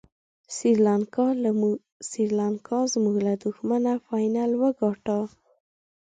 سریلانکا زموږ له دښمنه فاینل وګاټه.